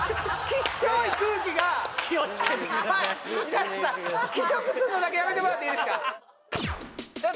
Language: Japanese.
きしょくするのだけやめてもらっていいですかさあ